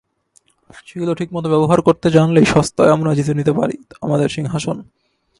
সেগুলো ঠিকমতো ব্যবহার করতে জানলেই সস্তায় আমরা জিতে নিতে পারি আমাদের সিংহাসন।